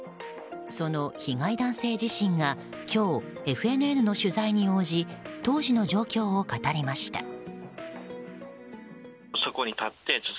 その被害男性自身が今日、ＦＮＮの取材に応じ当時の状況を語りました。